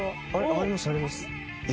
ありますあります